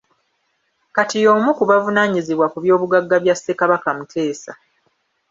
Kati y’omu ku bavunaanyizibwa ku by’obugagga bya Ssekabaka Muteesa.